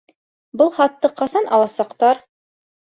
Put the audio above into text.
Был хатты ҡасан аласаҡтар?